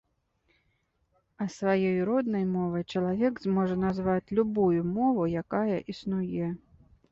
А сваёй роднай мовай чалавек зможа назваць любую мову, якая існуе.